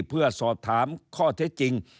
เพื่อสอบถามข้อเท็จจริง